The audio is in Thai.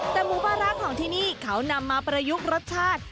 แต่หมูปลาร้าของที่นี่เขานำมาประยุกต์รสชาติ